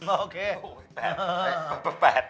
โอเค